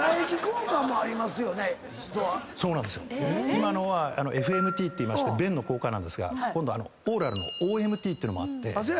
今のはＦＭＴっていいまして便の交換なんですが今度はオーラルのＯＭＴっていうのもあって。